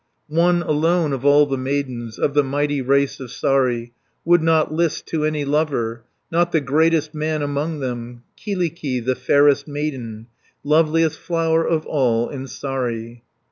One alone of all the maidens, Of the mighty race of Saari, Would not list to any lover, Not the greatest man among them; 160 Kyllikki, the fairest maiden, Loveliest flower of all in Saari.